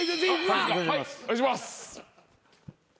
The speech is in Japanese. はいお願いします。